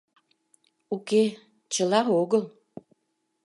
— Уке, чыла огыл.